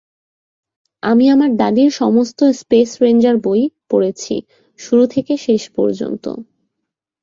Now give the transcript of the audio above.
আমি আমার দাদীর সমস্ত স্পেস রেঞ্জার বই পড়েছি, শুরু থেকে শেষ পর্যন্ত।